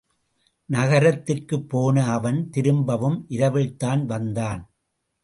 நகரத்திற்குப்போன அவன் திரும்பவும் இரவில்தான் வந்தான்.